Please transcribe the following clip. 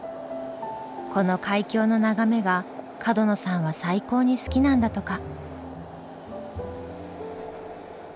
この海峡の眺めが角野さんは最高に好きなんだとか。